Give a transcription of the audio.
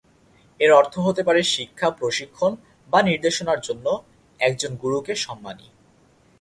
এর অর্থ হতে পারে শিক্ষা, প্রশিক্ষণ বা নির্দেশনার জন্য একজন গুরুকে সম্মানী।